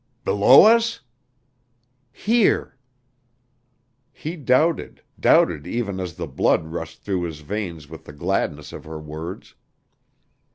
"Below us?" "Here." He doubted doubted even as the blood rushed through his veins with the gladness of her words.